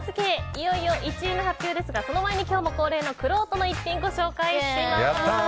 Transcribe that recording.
いよいよ１位の発表ですがその前に今日も恒例のくろうとの逸品をご紹介します。